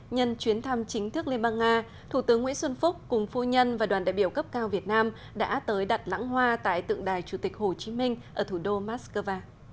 nhân chuyến thăm chính thức liên bang nga thủ tướng nguyễn xuân phúc cùng phu nhân và đoàn đại biểu cấp cao việt nam đã tới đặt lãng hoa tại tượng đài chủ tịch hồ chí minh ở thủ đô moscow